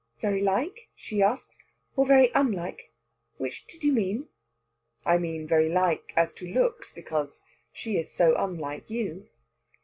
"Very like?" she asks "or very unlike? Which did you mean?" "I mean very like as to looks. Because she is so unlike you."